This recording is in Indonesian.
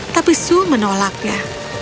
tapi sue menolaknya